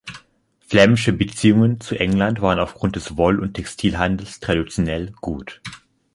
Flämische Beziehungen zu England waren aufgrund des Woll- und Textilhandels traditionell gut.